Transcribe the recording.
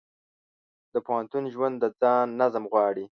د پوهنتون ژوند د ځان نظم غواړي.